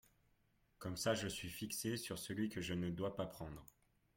Comme ça je suis fixée sur celui que je ne dois pas prendre !